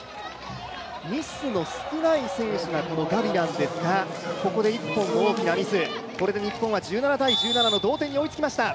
ミスの少ない選手がガビなんですがここで１本大きなミス、ここで日本は同点に追いつきました！